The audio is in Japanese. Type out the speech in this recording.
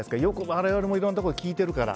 我々もいろんなところで聞いてるから。